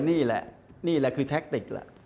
นี่แหละนี่แหละคือแทคติก